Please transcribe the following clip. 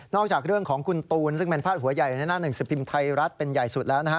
จากเรื่องของคุณตูนซึ่งเป็นพาดหัวใหญ่ในหน้าหนึ่งสิบพิมพ์ไทยรัฐเป็นใหญ่สุดแล้วนะฮะ